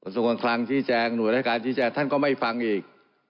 ส่วนการคลังชี้แจงหน่วยรายการชี้แจงท่านก็ไม่ฟังอีก